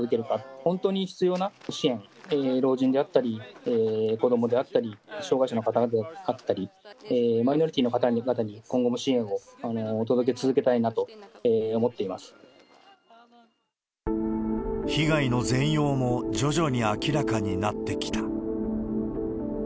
本当に必要な支援、老人であったり、子どもであったり、障害者の方々であったり、マイノリティーの方々に今後も支援をお届け続けたいなと思ってま被害の全容も徐々に明らかになってきた。